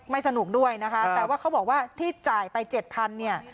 ไม่สนุกด้วยนะฮะแต่ว่าเขาบอกว่าที่จ่ายไป๗๐๐๐เนี่ย